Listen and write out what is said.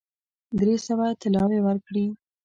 درې سوه طلاوي ورکړې.